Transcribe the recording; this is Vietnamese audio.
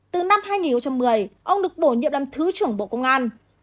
từ năm hai nghìn một mươi ông được bổ nhiệm làm thứ trưởng bộ công an